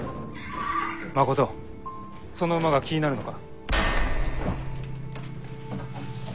誠その馬が気になるのか？